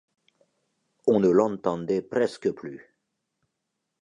On ne l’entendait presque plus.